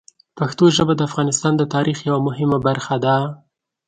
پښتو ژبه د افغانستان د تاریخ یوه مهمه برخه ده.